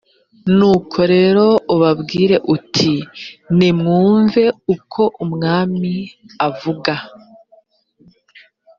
nuko rero ubabwire uti nimwumve uko umwamiavuga